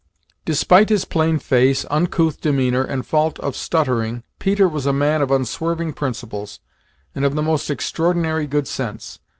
Despite his plain face, uncouth demeanour, and fault of stuttering, Peter was a man of unswerving principles and of the most extraordinary good sense.